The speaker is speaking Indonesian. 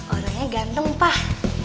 orangnya gandeng pak